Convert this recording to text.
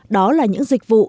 đó là những dịch vụ